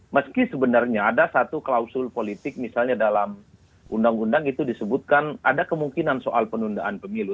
meski sebenarnya ada satu klausul politik misalnya dalam undang undang itu disebutkan ada kemungkinan soal penundaan pemilu